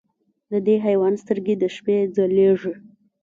د دې حیوان سترګې د شپې ځلېږي.